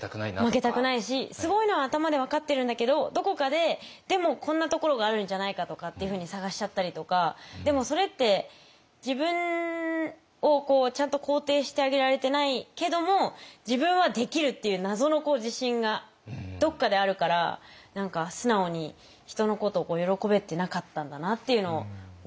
負けたくないしすごいのは頭で分かってるんだけどどこかででもこんなところがあるんじゃないかとかっていうふうに探しちゃったりとかでもそれって自分をちゃんと肯定してあげられてないけども自分はできる！っていう謎の自信がどっかであるから何か素直に人のことを喜べてなかったんだなっていうのを思ってます。